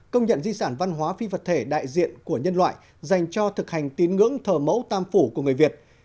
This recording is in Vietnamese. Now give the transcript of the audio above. công nhận di sản văn hóa phi vật thể đại diện của nhân loại dành cho thực hành tín ngưỡng thờ mẫu tam phủ của người việt